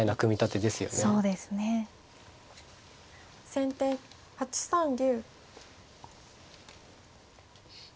先手８三竜。